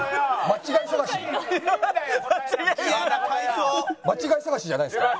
間違い探しじゃないんですか？